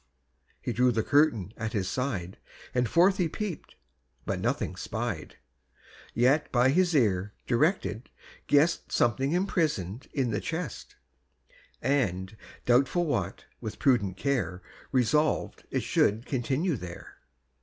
He drew the curtain at his side, And forth he peep'd, but nothing spied. Yet, by his ear directed, guess'd Something imprison'd in the chest, And, doubtful what, with prudent care Resolved it should continue there.